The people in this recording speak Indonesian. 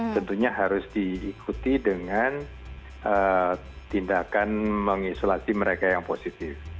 tentunya harus diikuti dengan tindakan mengisolasi mereka yang positif